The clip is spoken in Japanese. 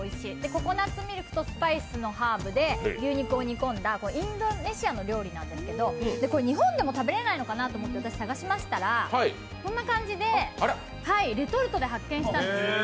ココナッツミルクとスパイスのハーブで牛肉を煮込んだインドネシアの料理なんですけど日本でも食べれないのかなって思って、私探しましたらこんな感じでレトルトで発見したんです。